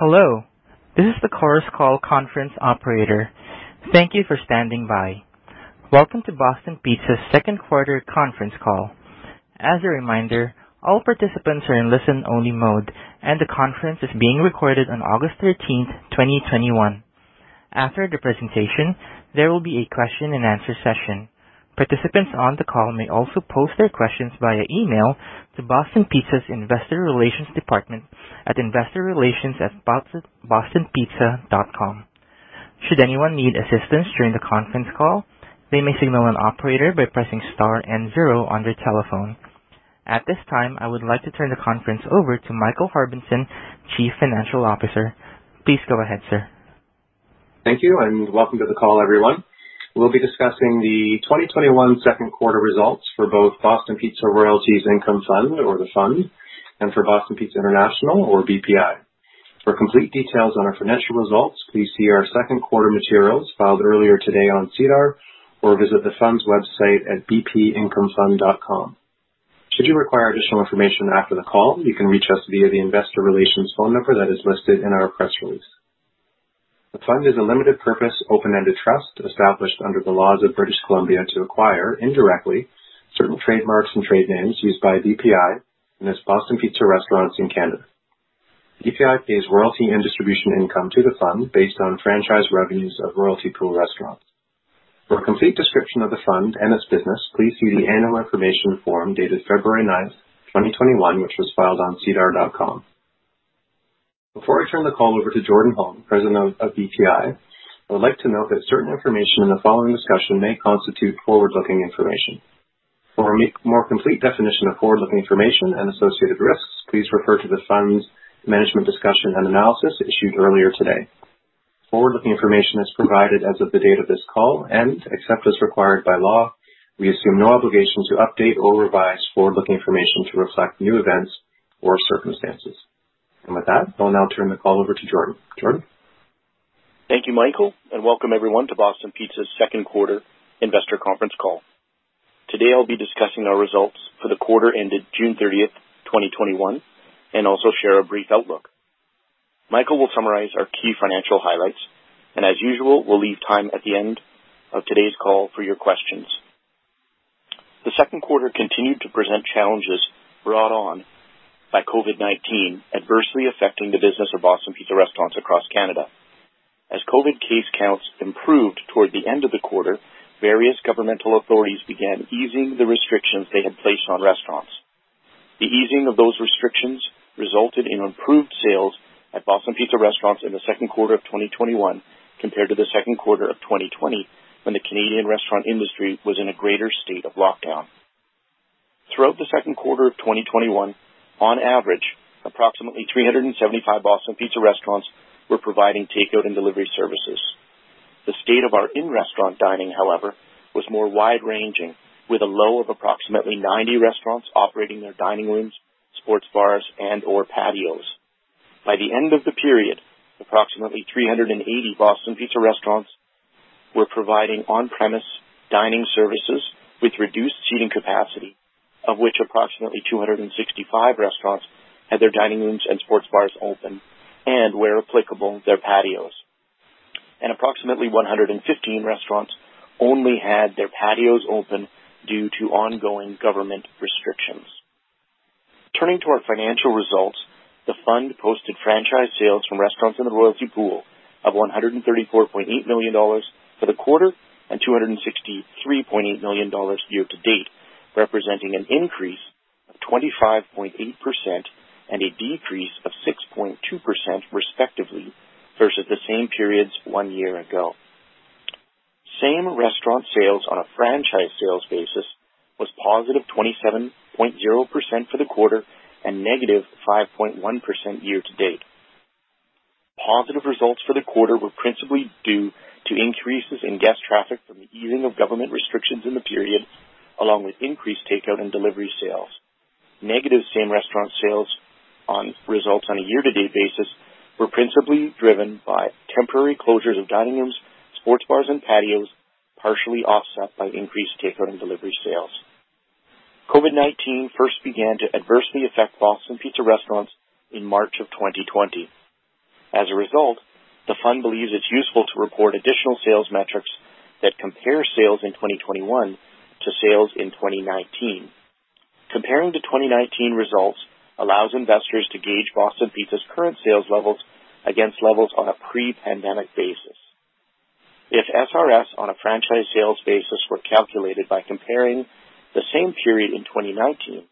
Thank you for standing by. Welcome to Boston Pizza's second quarter conference call. As a reminder, all participants are in listen-only mode, and the conference is being recorded on August 13th, 2021. After the presentation, there will be a question and answer session. Participants on the call may also post their questions via email to Boston Pizza's Investor Relations department at investorrelations@bostonpizza.com. Should anyone need assistance during the conference call, they may signal an operator by pressing star and zero on their telephone. At this time, I would like to turn the conference over to Michael Harbinson, Chief Financial Officer. Please go ahead, sir. Thank you and welcome to the call, everyone. We'll be discussing the 2021 second quarter results for both Boston Pizza Royalties Income Fund or the Fund, and for Boston Pizza International or BPI. For complete details on our financial results, please see our second quarter materials filed earlier today on SEDAR or visit the Fund's website at bpincomefund.com. Should you require additional information after the call, you can reach us via the Investor Relations phone number that is listed in our press release. The Fund is a limited purpose open-ended trust established under the laws of British Columbia to acquire, indirectly, certain trademarks and trade names used by BPI and its Boston Pizza restaurants in Canada. BPI pays royalty and distribution income to the Fund based on franchise revenues of Royalty Pool restaurants. For a complete description of the Fund and its business, please see the annual information form dated February 9th, 2021, which was filed on sedar.com. Before I turn the call over to Jordan Holm, President of BPI, I would like to note that certain information in the following discussion may constitute forward-looking information. For a more complete definition of forward-looking information and associated risks, please refer to the Fund's management discussion and analysis issued earlier today. Except as required by law, we assume no obligation to update or revise forward-looking information to reflect new events or circumstances. With that, I'll now turn the call over to Jordan. Jordan? Thank you, Michael, and welcome everyone to Boston Pizza's second quarter investor conference call. Today, I'll be discussing our results for the quarter ended June 30th, 2021, and also share a brief outlook. Michael will summarize our key financial highlights, and as usual, we'll leave time at the end of today's call for your questions. The second quarter continued to present challenges brought on by COVID-19, adversely affecting the business of Boston Pizza restaurants across Canada. As COVID case counts improved toward the end of the quarter, various governmental authorities began easing the restrictions they had placed on restaurants. The easing of those restrictions resulted in improved sales at Boston Pizza restaurants in the second quarter of 2021 compared to the second quarter of 2020, when the Canadian restaurant industry was in a greater state of lockdown. Throughout the second quarter of 2021, on average, approximately 375 Boston Pizza restaurants were providing takeout and delivery services. The state of our in-restaurant dining, however, was more wide-ranging, with a low of approximately 90 restaurants operating their dining rooms, sports bars, and/or patios. By the end of the period, approximately 380 Boston Pizza restaurants were providing on-premise dining services with reduced seating capacity, of which approximately 265 restaurants had their dining rooms and sports bars open, and where applicable, their patios. Approximately 115 restaurants only had their patios open due to ongoing government restrictions. Turning to our financial results, the Fund posted franchise sales from restaurants in the Royalty Pool of 134.8 million dollars for the quarter and 263.8 million dollars year-to-date, representing an increase of 25.8% and a decrease of 6.2% respectively, versus the same periods one year ago. Same-restaurant sales on a franchise sales basis was positive 27.0% for the quarter and negative 5.1% year-to-date. Positive results for the quarter were principally due to increases in guest traffic from the easing of government restrictions in the period, along with increased takeout and delivery sales. Same-restaurant sales results on a year-to-date basis were principally driven by temporary closures of dining rooms, sports bars, and patios, partially offset by increased takeout and delivery sales. COVID-19 first began to adversely affect Boston Pizza restaurants in March of 2020. As a result, the Fund believes it's useful to report additional sales metrics that compare sales in 2021 to sales in 2019. Comparing to 2019 results allows investors to gauge Boston Pizza's current sales levels against levels on a pre-pandemic basis. If SRS on a franchise sales basis were calculated by comparing the same period in 2019,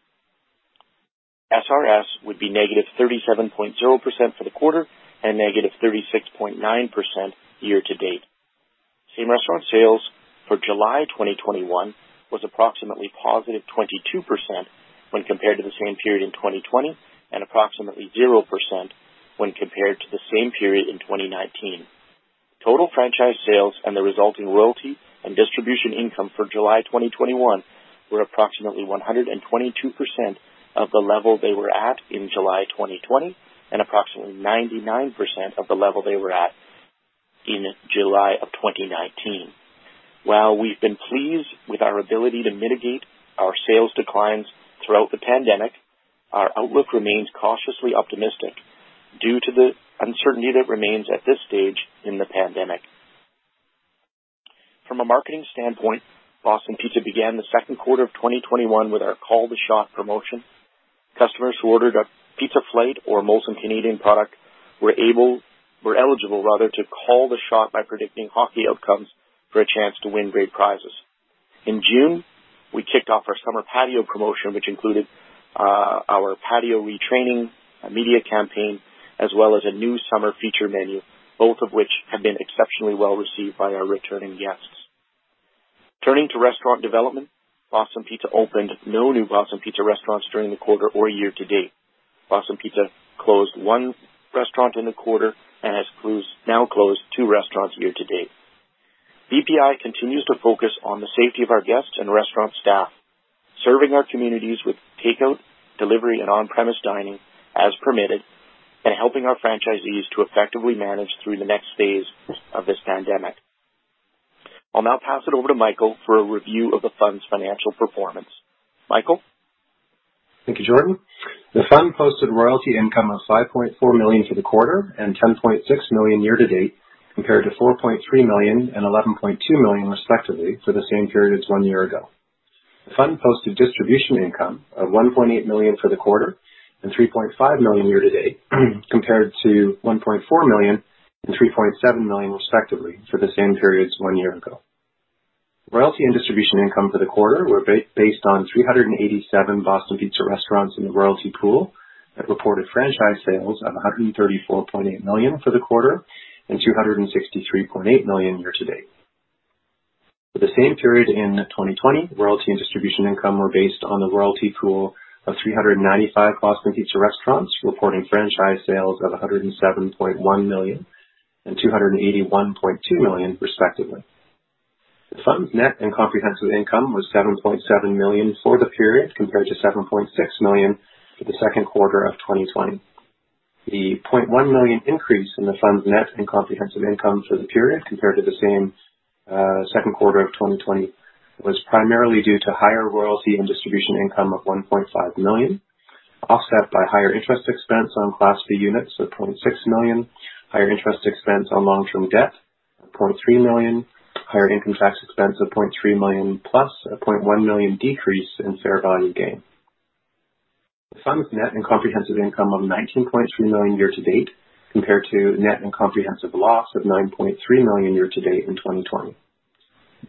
SRS would be negative 37.0% for the quarter and negative 36.9% year-to-date. Same-restaurant sales for July 2021 was approximately positive 22% when compared to the same period in 2020, and approximately 0% when compared to the same period in 2019. Total franchise sales and the resulting royalty and distribution income for July 2021 were approximately 122% of the level they were at in July 2020 and approximately 99% of the level they were at in July of 2019. While we've been pleased with our ability to mitigate our sales declines throughout the pandemic, our outlook remains cautiously optimistic due to the uncertainty that remains at this stage in the pandemic. From a marketing standpoint, Boston Pizza began the second quarter of 2021 with our Call the Shot promotion. Customers who ordered a pizza flight or Molson Canadian product were eligible, rather, to Call the Shot by predicting hockey outcomes for a chance to win great prizes. In June, we kicked off our summer patio promotion, which included our patio retraining, a media campaign, as well as a new summer feature menu, both of which have been exceptionally well received by our returning guests. Turning to restaurant development, Boston Pizza opened no new Boston Pizza restaurants during the quarter or year-to-date. Boston Pizza closed one restaurant in the quarter and has now closed two restaurants year-to-date. BPI continues to focus on the safety of our guests and restaurant staff, serving our communities with takeout, delivery, and on-premise dining as permitted, and helping our franchisees to effectively manage through the next phase of this pandemic. I'll now pass it over to Michael for a review of the Fund's financial performance. Michael? Thank you, Jordan. The Fund posted royalty income of CAD 5.4 million for the quarter and CAD 10.6 million year-to-date, compared to CAD 4.3 million and CAD 11.2 million, respectively, for the same period as one year ago. The Fund posted distribution income of CAD 1.8 million for the quarter and CAD 3.5 million year-to-date, compared to CAD 1.4 million and CAD 3.7 million, respectively, for the same period as one year ago. Royalty and distribution income for the quarter were based on 387 Boston Pizza restaurants in the Royalty Pool that reported franchise sales of CAD 134.8 million for the quarter and CAD 263.8 million year-to-date. For the same period in 2020, royalty and distribution income were based on the Royalty Pool of 395 Boston Pizza restaurants, reporting franchise sales of 107.1 million and 281.2 million, respectively. The Fund's net and comprehensive income was 7.7 million for the period, compared to 7.6 million for the second quarter of 2020. The 0.1 million increase in the Fund's net and comprehensive income for the period compared to the same second quarter of 2020 was primarily due to higher royalty and distribution income of 1.5 million, offset by higher interest expense on Class B units of 0.6 million, higher interest expense on long-term debt of 0.3 million, higher income tax expense of 0.3 million+, a 0.1 million decrease in fair value gain. The Fund's net and comprehensive income of 19.3 million year-to-date compared to net and comprehensive loss of 9.3 million year-to-date in 2020.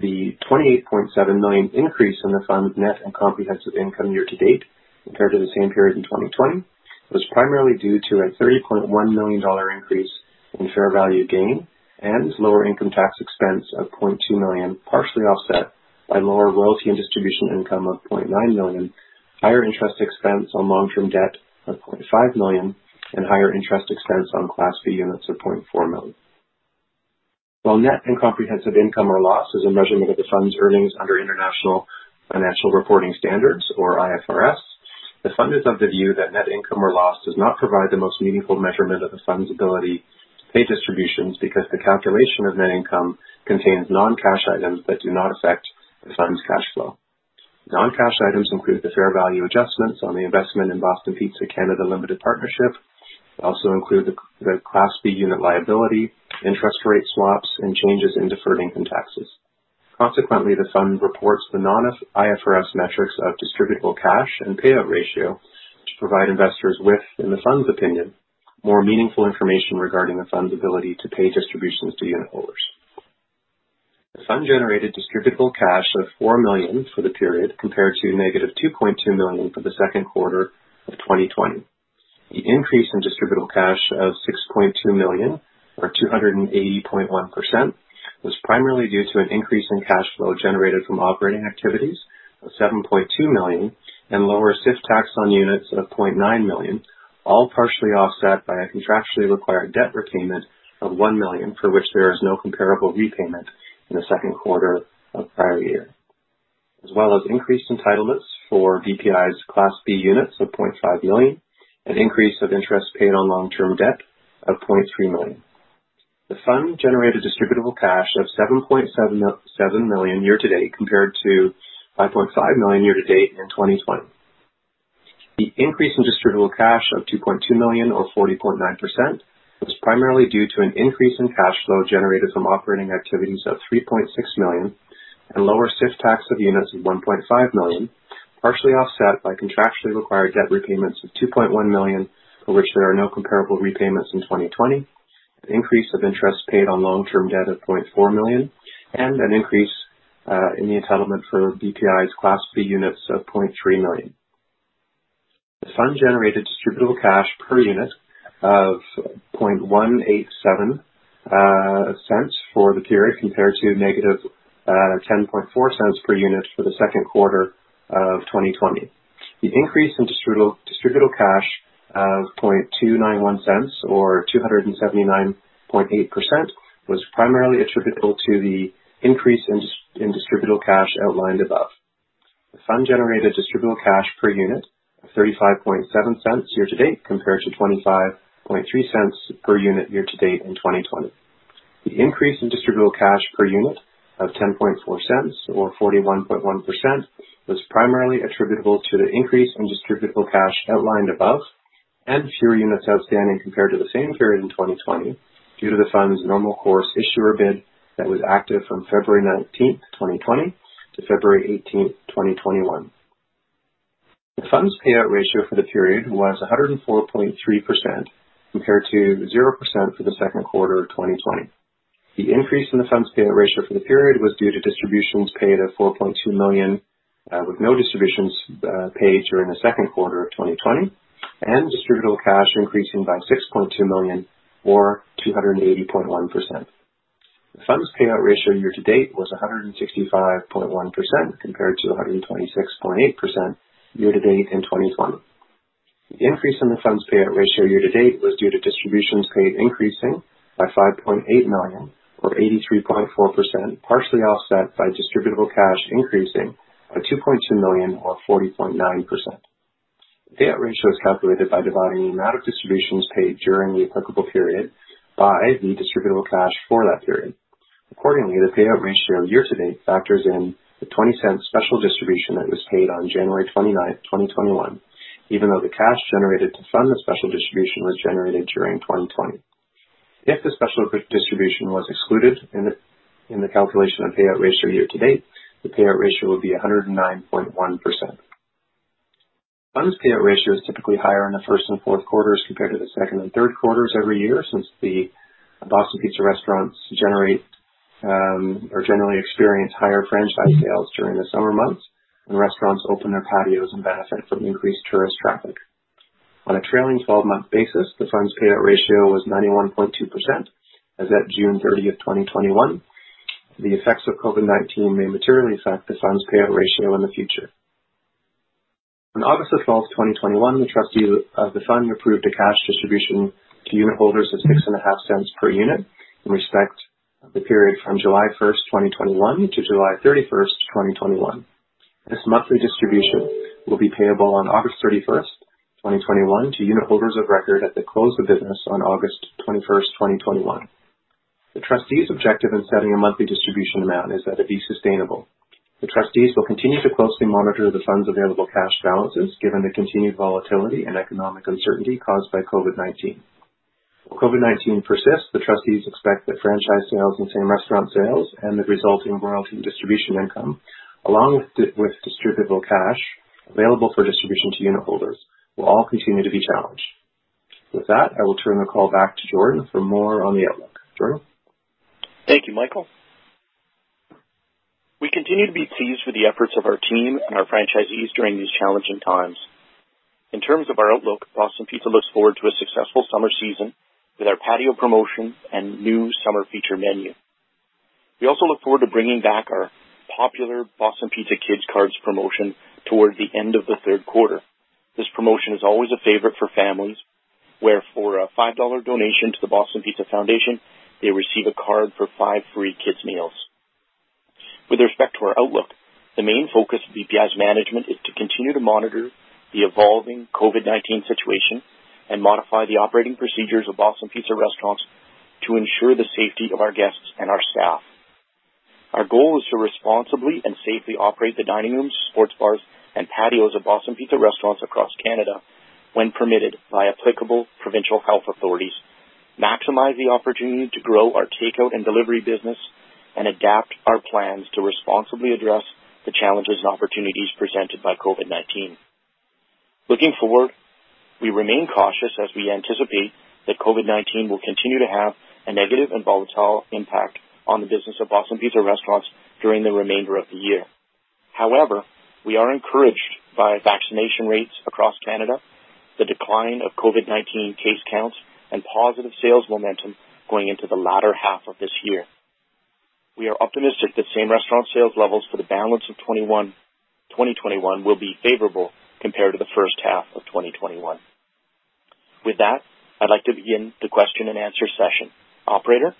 The 28.7 million increase in the Fund's net and comprehensive income year-to-date compared to the same period in 2020 was primarily due to a CAD 30.1 million increase in fair value gain and lower income tax expense of CAD 0.2 million, partially offset by lower royalty and distribution income of CAD 0.9 million, higher interest expense on long-term debt of CAD 0.5 million, and higher interest expense on Class B units of CAD 0.4 million. While net and comprehensive income or loss is a measurement of the Fund's earnings under International Financial Reporting Standards, or IFRS, the Fund is of the view that net income or loss does not provide the most meaningful measurement of the Fund's ability to pay distributions because the calculation of net income contains non-cash items that do not affect the Fund's cash flow. Non-cash items include the fair value adjustments on the investment in Boston Pizza Canada Limited Partnership. It also include the Class B unit liability, interest rate swaps, and changes in deferred income taxes. Consequently, the Fund reports the non-IFRS metrics of distributable cash and payout ratio to provide investors with, in the Fund's opinion, more meaningful information regarding the Fund's ability to pay distributions to unitholders. The Fund generated distributable cash of 4 million for the period, compared to negative 2.2 million for the second quarter of 2020. The increase in distributable cash of 6.2 million or 280.1% was primarily due to an increase in cash flow generated from operating activities of 7.2 million and lower SIFT tax on units of 0.9 million, all partially offset by a contractually required debt repayment of 1 million, for which there is no comparable repayment in the second quarter of the prior year. As well as increased entitlements for BPI's Class B units of 0.5 million, an increase of interest paid on long-term debt of 0.3 million. The Fund generated distributable cash of 7.77 million year-to-date, compared to 5.5 million year-to-date in 2020. The increase in distributable cash of 2.2 million or 40.9% was primarily due to an increase in cash flow generated from operating activities of 3.6 million and lower SIF tax of units of 1.5 million, partially offset by contractually required debt repayments of 2.1 million, for which there are no comparable repayments in 2020, the increase of interest paid on long-term debt of 0.4 million, and an increase in the entitlement for BPI's Class B units of 0.3 million. The Fund generated distributable cash per unit of 0.187 for the period, compared to negative 0.104 per unit for the second quarter of 2020. The increase in distributable cash of 0.291 or 279.8%, was primarily attributable to the increase in distributable cash outlined above. The Fund generated distributable cash per unit of 0.357 year-to-date, compared to 0.253 per unit year-to-date in 2020. The increase in distributable cash per unit of 0.104, or 41.1%, was primarily attributable to the increase in distributable cash outlined above and fewer units outstanding compared to the same period in 2020 due to the Fund's normal course issuer bid that was active from February 19, 2020 to February 18, 2021. The Fund's payout ratio for the period was 104.3%, compared to 0% for the second quarter of 2020. The increase in the Fund's payout ratio for the period was due to distributions paid at 4.2 million, with no distributions paid during the second quarter of 2020, and distributable cash increasing by 6.2 million or 280.1%. The Fund's payout ratio year-to-date was 165.1%, compared to 126.8% year-to-date in 2021. The increase in the Fund's payout ratio year-to-date was due to distributions paid increasing by 5.8 million, or 83.4%, partially offset by distributable cash increasing by 2.2 million or 40.9%. The payout ratio is calculated by dividing the amount of distributions paid during the applicable period by the distributable cash for that period. Accordingly, the payout ratio year-to-date factors in the 0.20 special distribution that was paid on January 29, 2021, even though the cash generated to fund the special distribution was generated during 2020. If the special distribution was excluded in the calculation of payout ratio year-to-date, the payout ratio would be 109.1%. Fund's payout ratio is typically higher in the first and fourth quarters compared to the second and third quarters every year, since the Boston Pizza restaurants generally experience higher franchise sales during the summer months, when restaurants open their patios and benefit from increased tourist traffic. On a trailing 12-month basis, the Fund's payout ratio was 91.2% as at June 30th, 2021. The effects of COVID-19 may materially affect the Fund's payout ratio in the future. On August 12th, 2021, the trustees of the Fund approved a cash distribution to unitholders of 0.065 per unit in respect of the period from July 1st, 2021 to July 31st, 2021. This monthly distribution will be payable on August 31st, 2021 to unitholders of record at the close of business on August 21st, 2021. The trustees' objective in setting a monthly distribution amount is that it be sustainable. The trustees will continue to closely monitor the fund's available cash balances, given the continued volatility and economic uncertainty caused by COVID-19. Where COVID-19 persists, the trustees expect that franchise sales and same-restaurant sales and the resulting royalty and distribution income, along with distributable cash available for distribution to unitholders, will all continue to be challenged. With that, I will turn the call back to Jordan for more on the outlook. Jordan? Thank you, Michael. We continue to be pleased with the efforts of our team and our franchisees during these challenging times. In terms of our outlook, Boston Pizza looks forward to a successful summer season with our patio promotion and new summer feature menu. We also look forward to bringing back our popular Boston Pizza Kids Cards promotion toward the end of the third quarter. This promotion is always a favorite for families, where for a 5 dollar donation to the Boston Pizza Foundation, they receive a card for five free kids meals. With respect to our outlook, the main focus of BPI's management is to continue to monitor the evolving COVID-19 situation and modify the operating procedures of Boston Pizza restaurants to ensure the safety of our guests and our staff. Our goal is to responsibly and safely operate the dining rooms, sports bars, and patios of Boston Pizza restaurants across Canada when permitted by applicable provincial health authorities, maximize the opportunity to grow our takeout and delivery business, and adapt our plans to responsibly address the challenges and opportunities presented by COVID-19. Looking forward, we remain cautious as we anticipate that COVID-19 will continue to have a negative and volatile impact on the business of Boston Pizza restaurants during the remainder of the year. However, we are encouraged by vaccination rates across Canada, the decline of COVID-19 case counts, and positive sales momentum going into the latter half of this year. We are optimistic that same-restaurant sales levels for the balance of 2021 will be favorable compared to the first half of 2021. With that, I'd like to begin the question and answer session. Operator?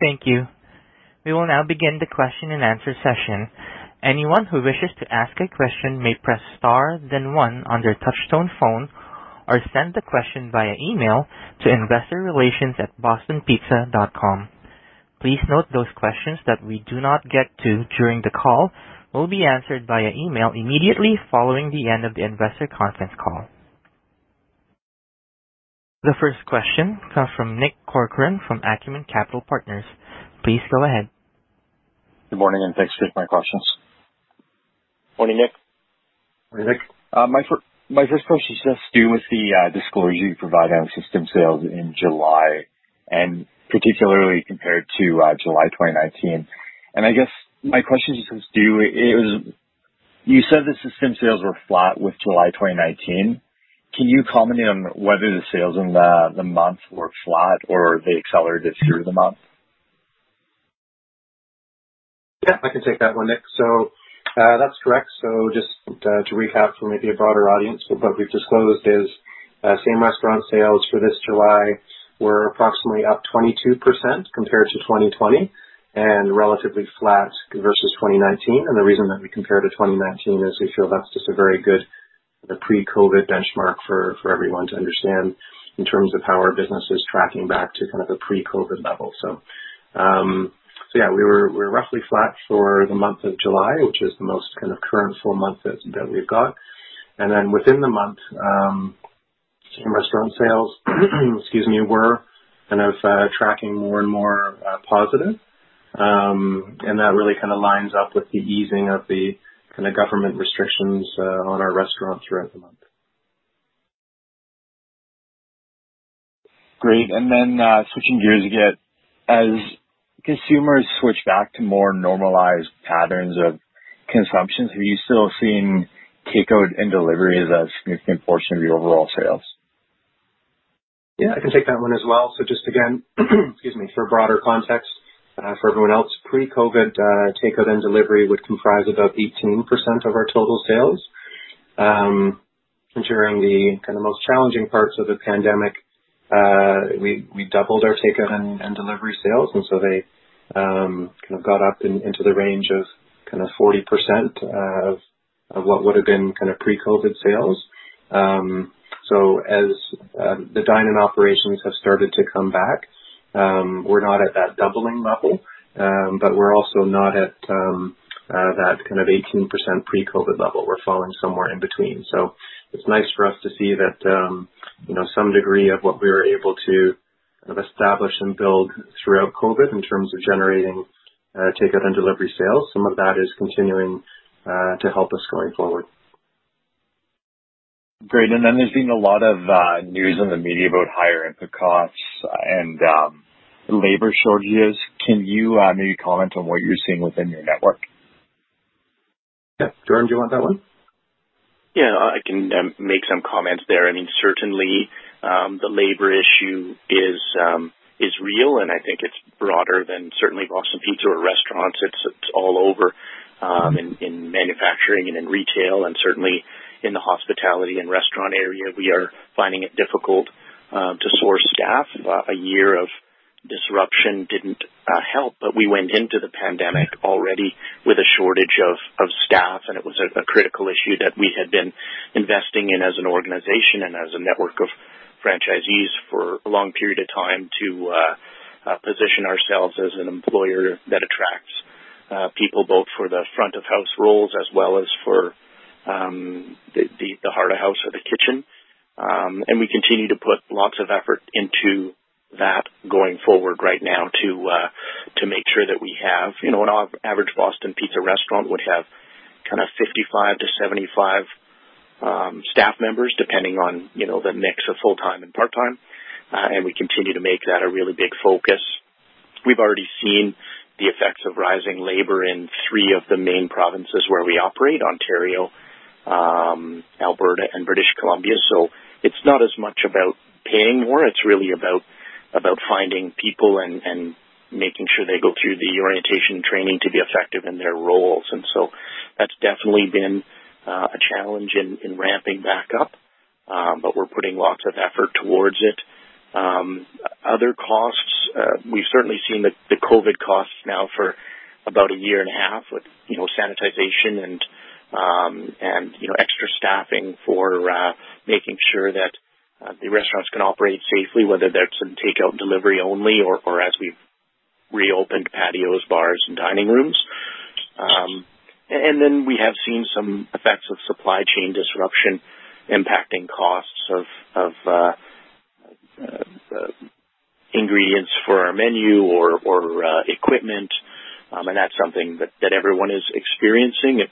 Thank you. We will now begin the question and answer session. Anyone who wishes to ask a question may press star, then one on their touch-tone phone, or send the question via email to investorrelations@bostonpizza.com. Please note those questions that we do not get to during the call will be answered via email immediately following the end of the investor conference call. The first question comes from Nick Corcoran from Acumen Capital Partners. Please go ahead. Good morning, and thanks for taking my questions. Morning, Nick. Morning, Nick. My first question is just due with the disclosure you provided on system sales in July, particularly compared to July 2019. I guess my question just comes due, you said the system sales were flat with July 2019. Can you comment on whether the sales in the month were flat or they accelerated through the month? Yeah, I can take that one, Nick. That's correct. Just to recap for maybe a broader audience, what we've disclosed is same-restaurant sales for this July were approximately up 22% compared to 2020, and relatively flat versus 2019. The reason that we compare to 2019 is we feel that's just a very good pre-COVID-19 benchmark for everyone to understand in terms of how our business is tracking back to kind of a pre-COVID-19 level. Yeah, we were roughly flat for the month of July, which is the most current full month that we've got. Within the month, same-restaurant sales, excuse me, were kind of tracking more and more positive. That really kind of lines up with the easing of the government restrictions on our restaurants throughout the month. Great. Switching gears again, as consumers switch back to more normalized patterns of consumption, are you still seeing takeout and delivery as a significant portion of your overall sales? Yeah, I can take that one as well. Just again, excuse me, for broader context for everyone else, pre-COVID, takeout and delivery would comprise about 18% of our total sales. During the kind of most challenging parts of the pandemic, we doubled our takeout and delivery sales. They got up into the range of 40% of what would've been pre-COVID sales. As the dine-in operations have started to come back, we're not at that doubling level, but we're also not at that 18% pre-COVID level. We're falling somewhere in between. It's nice for us to see that some degree of what we were able to establish and build throughout COVID, in terms of generating takeout and delivery sales, some of that is continuing to help us going forward. Great. There's been a lot of news in the media about higher input costs and labor shortages. Can you maybe comment on what you're seeing within your network? Yeah. Jordan, do you want that one? Yeah, I can make some comments there. Certainly, the labor issue is real, and I think it's broader than certainly Boston Pizza or restaurants. It's all over in manufacturing and in retail, and certainly in the hospitality and restaurant area. We are finding it difficult to source staff. A year of disruption didn't help. We went into the pandemic already with a shortage of staff, and it was a critical issue that we had been investing in as an organization and as a network of franchisees for a long period of time to position ourselves as an employer that attracts people, both for the front of house roles as well as for the heart of house or the kitchen. We continue to put lots of effort into that going forward right now. An average Boston Pizza restaurant would have 55 to 75 staff members, depending on the mix of full-time and part-time. We continue to make that a really big focus. We've already seen the effects of rising labor in three of the main provinces where we operate, Ontario, Alberta, and British Columbia. It's not as much about paying more, it's really about finding people and making sure they go through the orientation training to be effective in their roles. That's definitely been a challenge in ramping back up. We're putting lots of effort towards it. Other costs, we've certainly seen the COVID costs now for about a year and a half with sanitization and extra staffing for making sure that the restaurants can operate safely, whether that's in takeout and delivery only or as we've reopened patios, bars, and dining rooms. We have seen some effects of supply chain disruption impacting costs of ingredients for our menu or equipment. That's something that everyone is experiencing. It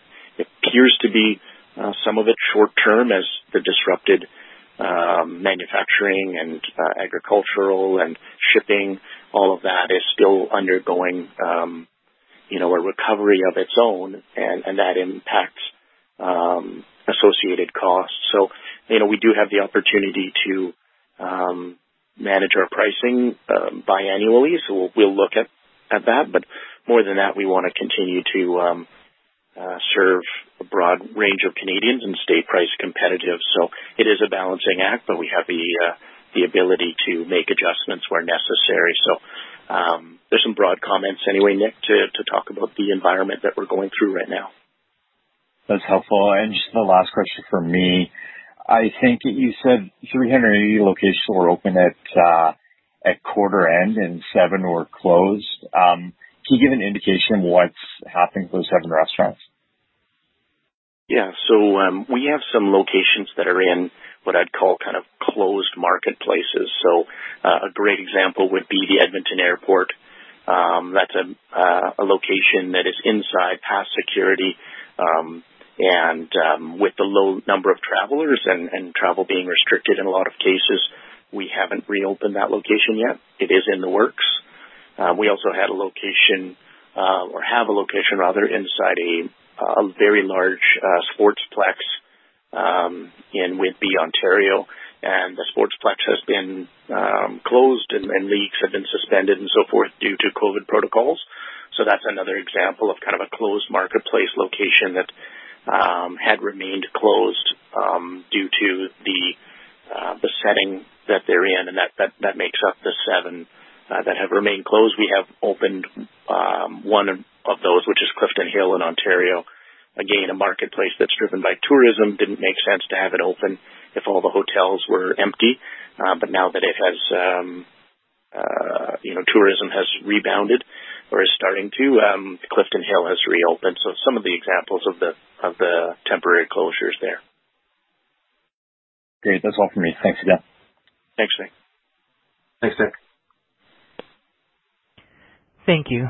appears to be some of it short-term as the disrupted manufacturing and agricultural and shipping, all of that is still undergoing a recovery of its own, and that impacts associated costs. We do have the opportunity to manage our pricing biannually. We'll look at that, but more than that, we want to continue to serve a broad range of Canadians and stay price competitive. It is a balancing act, but we have the ability to make adjustments where necessary. There's some broad comments anyway, Nick, to talk about the environment that we're going through right now. That's helpful. Just the last question from me. I think you said 380 locations were open at quarter end and seven were closed. Can you give an indication of what's happening to those seven restaurants? We have some locations that are in what I'd call closed marketplaces. A great example would be the Edmonton Airport. That's a location that is inside past security. With the low number of travelers and travel being restricted in a lot of cases, we haven't reopened that location yet. It is in the works. We also had a location, or have a location rather, inside a very large sportsplex in Whitby, Ontario, and the sportsplex has been closed and leagues have been suspended and so forth due to COVID protocols. That's another example of a closed marketplace location that had remained closed due to the setting that they're in, and that makes up the seven that have remained closed. We have opened one of those, which is Clifton Hill in Ontario. Again, a marketplace that's driven by tourism. Didn't make sense to have it open if all the hotels were empty. Now that tourism has rebounded or is starting to, Clifton Hill has reopened. Some of the examples of the temporary closures there. Great. That's all for me. Thanks, again. Thanks, Nick. Thanks, Nick. Thank you.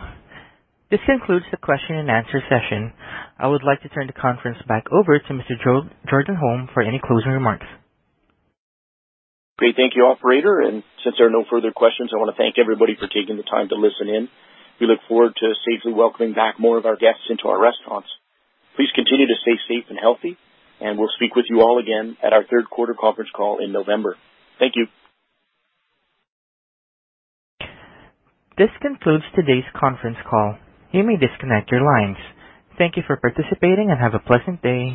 This concludes the question and answer session. I would like to turn the conference back over to Mr. Jordan Holm for any closing remarks. Great. Thank you, operator. Since there are no further questions, I want to thank everybody for taking the time to listen in. We look forward to safely welcoming back more of our guests into our restaurants. Please continue to stay safe and healthy, and we'll speak with you all again at our third quarter conference call in November. Thank you. This concludes today's conference call. You may disconnect your lines. Thank you for participating, and have a pleasant day,